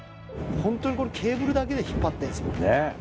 本当にこれケーブルだけで引っ張ってるんですね